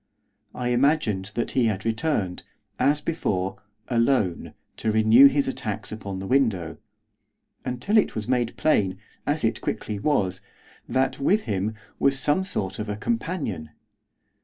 I imagined that he had returned, as before, alone, to renew his attacks upon the window, until it was made plain, as it quickly was, that, with him, was some sort of a companion.